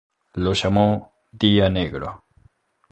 Lo llamó "Día Negro".